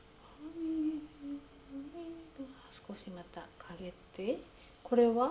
少しまたかげってこれはラソ？